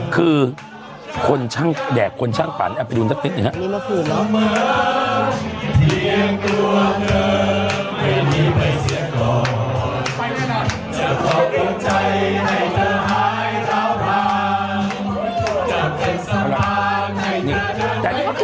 คือคนช่างแดกคนช่างปั่นเอาไปดูนัดนิดหนึ่งฮะนี่เมื่อคืนนี้